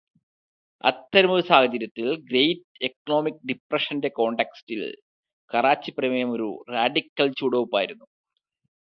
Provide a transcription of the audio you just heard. അത്തരമൊരു സാഹചര്യത്തില്, great economic ഡിപ്രഷന്റെ കോണ്ടക്സ്റ്റീല്, കറാച്ചി പ്രമേയം ഒരു റാഡിക്കല് ചുവടുവെയ്പ്പായിരുന്നു.